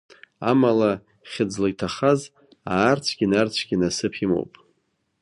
Амала хьыӡла иҭахаз, аарцәгьы нарцәгьы насыԥ имоуп!